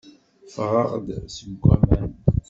Ffɣeɣ-d seg waman.